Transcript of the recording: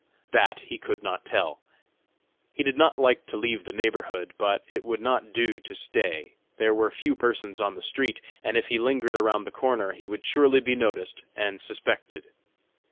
That he could not tell. He did not like to leave the neighborhood, but it would not do to stay. There were few persons on the street, and if he lingered around the corner he would surely be noticed and suspected.